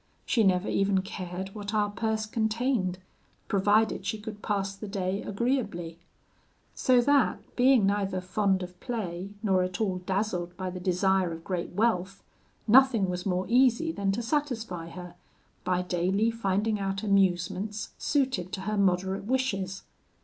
She never even cared what our purse contained, provided she could pass the day agreeably; so that, being neither fond of play nor at all dazzled by the desire of great wealth, nothing was more easy than to satisfy her, by daily finding out amusements suited to her moderate wishes.